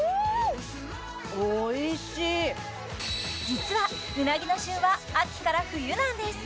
実はうなぎの旬は秋から冬なんです